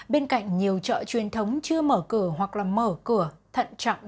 bên cạnh nhiều chợ truyền thống chưa mở cửa hoặc là mở cửa thận trọng